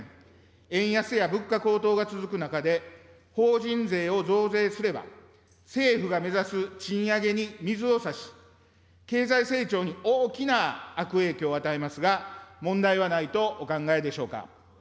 円安や物価高騰が続く中で、法人税を増税すれば、政府が目指す賃上げに水をさし、経済成長に大きな悪影響を与えますが、問題はないとお考えでしょうか。